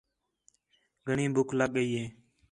گھݨیں ٻُکھ لڳ ڳئی ہے